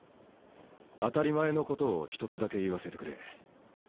当たり前のことを一つだけ言わせてくれ。